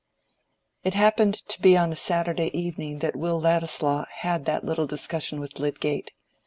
It happened to be on a Saturday evening that Will Ladislaw had that little discussion with Lydgate.